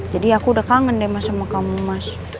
jadi aku udah kangen deh sama kamu mas